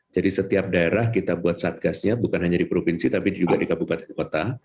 jadi setiap daerah kita buat satgasnya bukan hanya di provinsi tapi juga di kabupaten kota